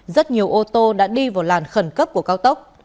rất nhiều ô tô đã đi vào làn khẩn cấp của cao tốc